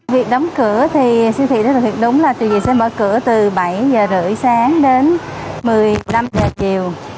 việc đóng cửa thì siêu thị rất là thiệt đúng là từ bảy h ba mươi sáng đến một mươi năm h chiều